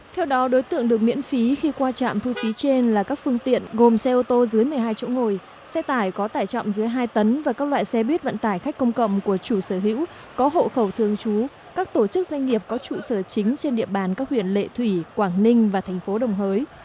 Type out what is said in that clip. theo đó đối tượng được miễn phí khi qua trạm thu phí trên là các phương tiện gồm xe ô tô dưới một mươi hai chỗ ngồi xe tải có tải trọng dưới hai tấn và các loại xe buýt vận tải khách công cộng của chủ sở hữu có hộ khẩu thường trú các tổ chức doanh nghiệp có trụ sở chính trên địa bàn các huyện lệ thủy quảng ninh và thành phố đồng hới